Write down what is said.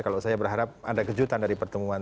kalau saya berharap ada kejutan dari pertemuan